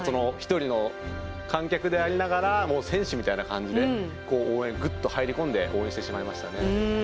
１人の観客でありながら選手みたいな感じでぐっと入り込んで応援してしまいましたね。